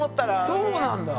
そうなんだ。